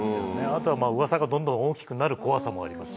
あとはまあ、うわさがどんどん大きくなる怖さもあります。